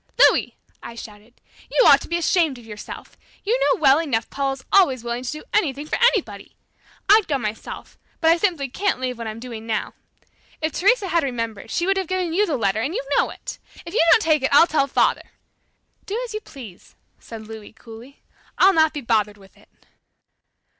"Louis!" I shouted, "You ought to be ashamed of yourself! You know well enough Paula's always willing to do anything for anybody! I'd go myself, but I simply can't leave what I'm doing now. If Teresa had remembered, she would have given you the letter and you know it! If you don't take it, I'll tell father!" "Do as you please," said Louis coolly. "I'll not be bothered with it!"